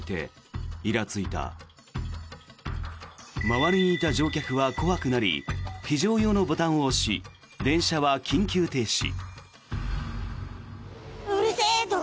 周りにいた乗客は怖くなり非常用のボタンを押し電車は緊急停止。